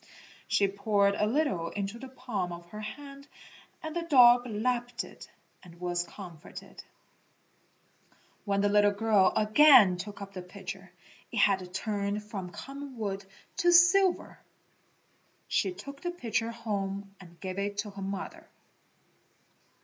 She poured a little into the palm of her hand and the dog lapped it and was comforted. When the little girl again took up the pitcher, it had turned from common wood to silver. She took the pitcher home and gave it to her mother.